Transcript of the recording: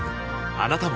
あなたも